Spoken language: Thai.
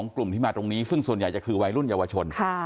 กลุ่มที่มาตรงนี้ซึ่งส่วนใหญ่จะคือวัยรุ่นเยาวชน